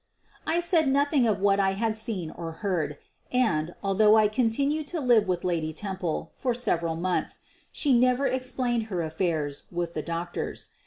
I said nothing of what I had seen or heard, and, although I continued to live with Lady Temple for several months, she never explained her affairs with the doctors.